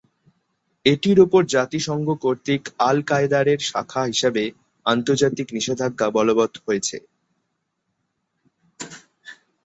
এটির উপর জাতিসংঘ কর্তৃক আল কায়েদার শাখা হিসেবে আন্তর্জাতিক নিষেধাজ্ঞা বলবৎ রয়েছে।